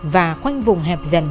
và khoanh vùng hẹp dần